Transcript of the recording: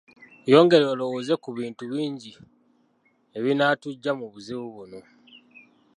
Yongera olowooze ku bintu bingi ebinaatuggya mu buzibu buno